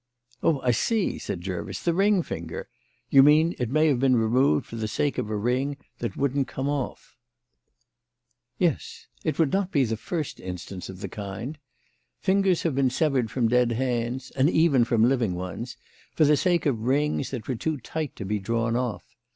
"Oh, I see!" said Jervis. "The ring finger. You mean it may have been removed for the sake of a ring that wouldn't come off." "Yes. It would not be the first instance of the kind. Fingers have been severed from dead hands and even from living ones for the sake of rings that were too tight to be drawn off.